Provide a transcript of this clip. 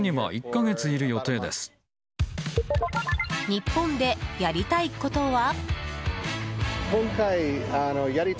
日本でやりたいことは？